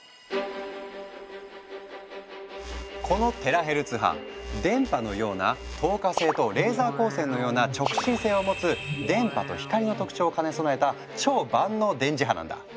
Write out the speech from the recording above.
このテラヘルツ波電波のような「透過性」とレーザー光線のような「直進性」を持つ電波と光の特徴を兼ね備えた超万能電磁波なんだ。